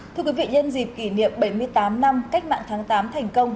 thưa quý vị nhân dịp kỷ niệm bảy mươi tám năm cách mạng tháng tám thành công